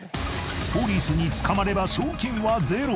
［ポリスに捕まれば賞金はゼロ］